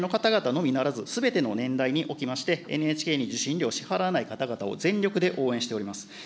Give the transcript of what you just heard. さて、われわれＮＨＫ党は、ご高齢の方々のみならず、すべての年代におきまして、ＮＨＫに受信料を支払わない方々を、全力で応援しております。